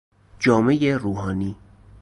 جامهی روحانی